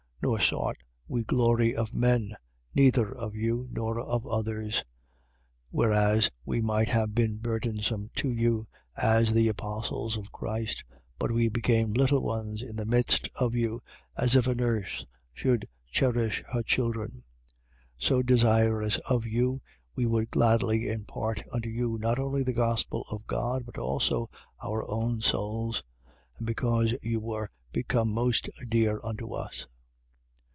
Nor sought we glory of men, neither of you, nor of others. 2:7. Whereas we might have been burdensome to you, as the apostles of Christ: but we became little ones in the midst of you, as if a nurse should cherish her children: 2:8. So desirous of you, we would gladly impart unto you not only the gospel of God but also our own souls: because you were become most dear unto us.